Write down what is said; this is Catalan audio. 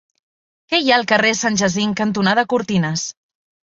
Què hi ha al carrer Sant Jacint cantonada Cortines?